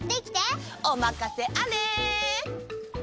おまかせあれ！